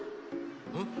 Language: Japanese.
うん？